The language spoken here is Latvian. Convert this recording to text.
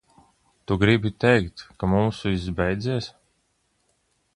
Tu gribi teikt, ka mums viss beidzies?